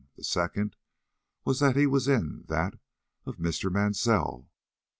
The second, that he was in that of Mr. Mansell.